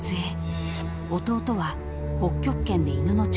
［弟は北極圏で犬の調教］